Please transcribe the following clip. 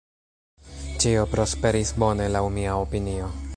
Ĉio prosperis bone laŭ mia opinio.